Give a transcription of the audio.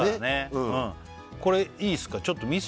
うんこれいいっすか？